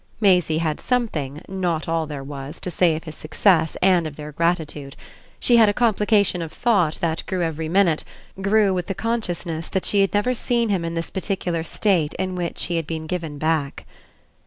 Maisie had something not all there was to say of his success and of their gratitude: she had a complication of thought that grew every minute, grew with the consciousness that she had never seen him in this particular state in which he had been given back.